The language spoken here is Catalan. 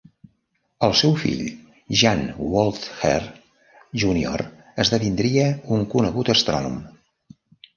El seu fill Jan Woltjer Junior esdevindria un conegut astrònom.